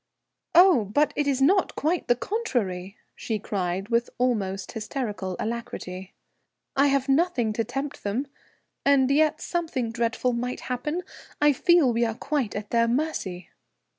"Oh, but it is not; quite the contrary," she cried with almost hysterical alacrity. "I have nothing to tempt them. And yet something dreadful might happen; I feel we are quite at their mercy."